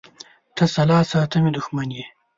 ـ تشه لاسه ته مې دښمن یې.